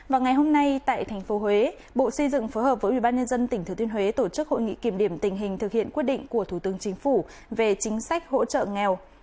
và ngày hôm nay tại tp huế bộ xây dựng phối hợp với ubnd tỉnh thừa thiên huế tổ chức hội nghị kiểm điểm tình hình thực hiện quyết định của thủ tướng chính phủ về chính sách hỗ trợ nghèo